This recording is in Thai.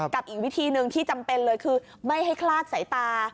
อีกวิธีหนึ่งที่จำเป็นเลยคือไม่ให้คลาดสายตา